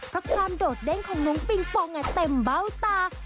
เพราะความโดดเด้งของน้องปิงปองเต็มเบ้าตา